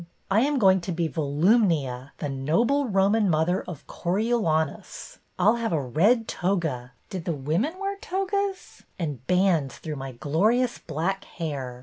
I am going to be Volumnia, the noble Roman mother of Coriolanus. I 'll have a red toga — did the women wear togas — and bands through my glorious black hair.